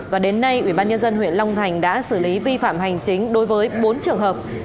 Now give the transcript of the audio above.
và đến nay ubnd huyện long thành đã xử lý vi phạm hành chính đối với bốn trường hợp